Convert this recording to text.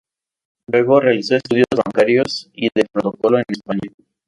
Luego, realizó estudios bancarios y de protocolo en España.